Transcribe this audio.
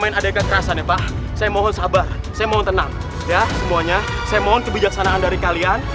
ada kekerasan ya pak saya mohon sabar saya mohon tenang ya semuanya saya mohon kebijaksanaan dari kalian